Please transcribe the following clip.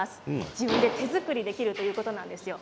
自分で手作りできるということなんですよ。